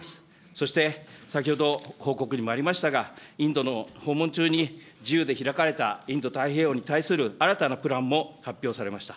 そして、先ほど報告にもありましたが、インドの訪問中に、自由で開かれたインド太平洋に対する新たなプランも発表されました。